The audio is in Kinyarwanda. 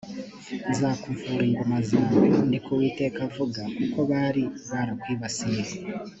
nzakuvura inguma zawe ni ko uwiteka avuga kuko bari barakwibasiye